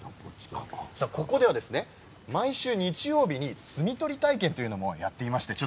ここでは毎週日曜日に摘み取り体験というものをやっています。